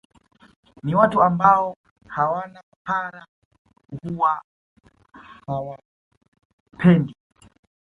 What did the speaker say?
Ni watu ambao hawana papara huwa hawapendi